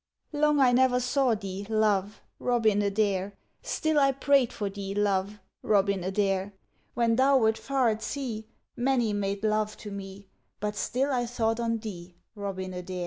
Long I ne'er saw thee, love, Robin Adair; Still I prayed for thee, love, Robin Adair; When thou wert far at sea, Many made love to me, But still I thought on thee, Robin Adair.